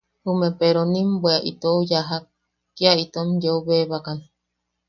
Jume peronim bwe itou yajak, kia itom yeu bebakan.